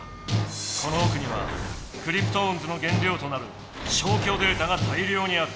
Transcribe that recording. このおくにはクリプトオンズの原料となる消去データが大量にある。